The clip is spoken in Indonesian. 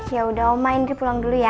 yaudah oma indri pulang dulu ya